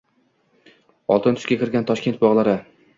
Oltin tusga kirgan Toshkent bog‘lari